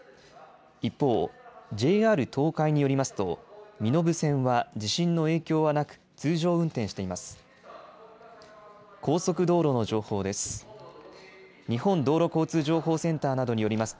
一方、ＪＲ東海によりますと身延線は地震の影響はなく通常運転しています。